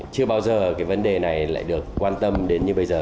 chưa bao giờ cái vấn đề này lại được quan tâm đến như bây giờ